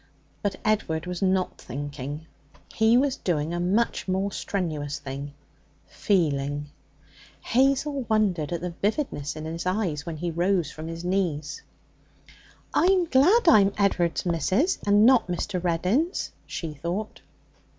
But Edward was not thinking. He was doing a much more strenuous thing feeling. Hazel wondered at the vividness of his eyes when he rose from his knees. 'I'm glad I'm Ed'ard's missus, and not Mr. Reddin's,' she thought.